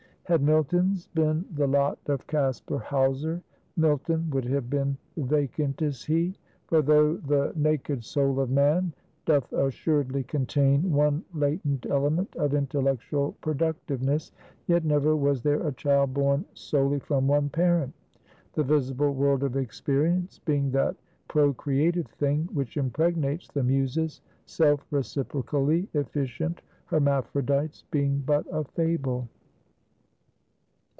Had Milton's been the lot of Caspar Hauser, Milton would have been vacant as he. For though the naked soul of man doth assuredly contain one latent element of intellectual productiveness; yet never was there a child born solely from one parent; the visible world of experience being that procreative thing which impregnates the muses; self reciprocally efficient hermaphrodites being but a fable.